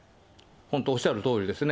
本当、おっしゃるとおりですね。